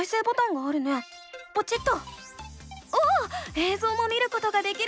えいぞうも見ることができるんだ。